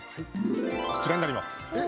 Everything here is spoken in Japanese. こちらになります。